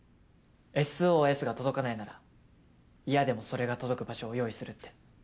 ＳＯＳが届かないなら嫌でもそれが届く場所を用意するって。